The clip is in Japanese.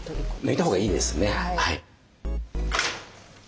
抜いたほうがいいですね。